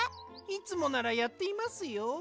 いつもならやっていますよ。